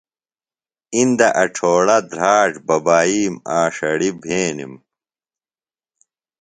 اندہ اڇھوڑہ، دھراڇ، ببائیم، آݜڑیۡ بھینِم۔